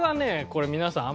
これ皆さん